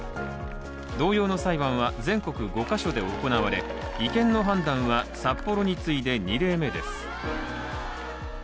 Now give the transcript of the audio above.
同様の裁判は全国５か所で行われ違憲の判断は、札幌に次いで２例目です。